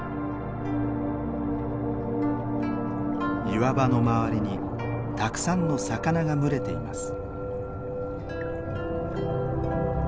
岩場の周りにたくさんの魚が群れています。